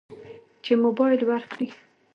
چې موبایل ورکړي.